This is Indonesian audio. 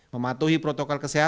mematuhi protokol keseluruhan